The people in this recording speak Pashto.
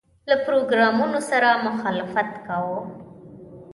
له پروګرامونو سره مخالفت کاوه.